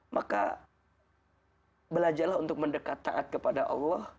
maka belajarlah untuk mendekat taat kepada allah